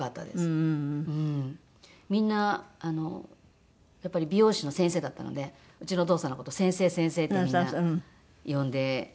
みんなやっぱり美容師の先生だったのでうちのお父さんの事「先生先生」ってみんな呼んでくださって。